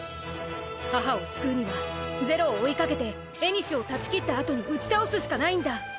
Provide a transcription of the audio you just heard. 母を救うには是露を追いかけて縁を断ち切った後に打ち倒すしかないんだ！